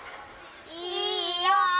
いいよ！